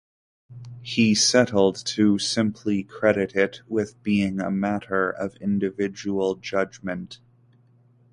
He settled to simply credit it with being a matter of individual judgment.